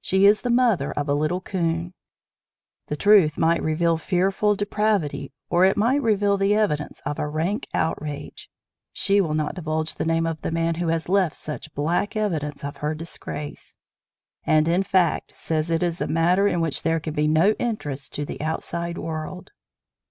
She is the mother of a little coon. The truth might reveal fearful depravity or it might reveal the evidence of a rank outrage. She will not divulge the name of the man who has left such black evidence of her disgrace, and, in fact, says it is a matter in which there can be no interest to the outside world.